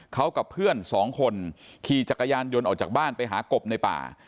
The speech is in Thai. เขากับเพื่อนสองคนขี่จักรยานยนต์ออกจากบ้านไปหากบในป่า